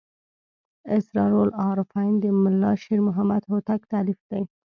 اسرار العارفین د ملا شیر محمد هوتک تألیف دی.